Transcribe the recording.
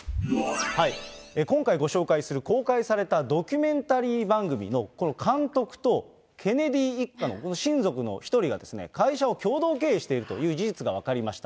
今回ご紹介する公開されたドキュメンタリー番組のこの監督と、ケネディ一家の、この親族の１人がですね、会社を共同経営しているという事実が分かりました。